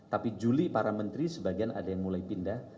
tapi juli para menteri sebagian ada yang mulai pindah